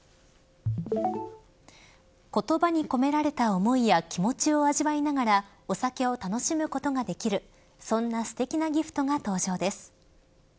言葉に込められた思いや気持ちを味わいながらお酒を楽しむことができるそんなすてきなギフトが登場です。